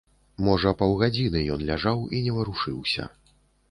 Можа, паўгадзіны ён ляжаў і не варушыўся.